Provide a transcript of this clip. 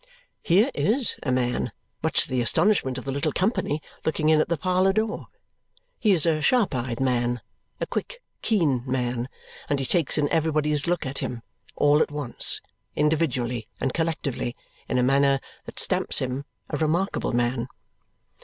Here IS a man, much to the astonishment of the little company, looking in at the parlour door. He is a sharp eyed man a quick keen man and he takes in everybody's look at him, all at once, individually and collectively, in a manner that stamps him a remarkable man.